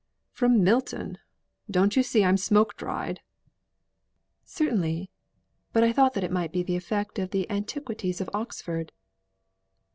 "From Milton. Don't you see I'm smoke dried?" "Certainly. But I thought that it might be the effect of the antiquities of Oxford."